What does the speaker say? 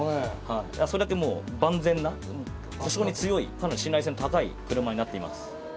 それだけ万全な、故障に強い、かなり信頼性の高い車になってます。